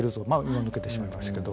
今抜けてしまいましたけど。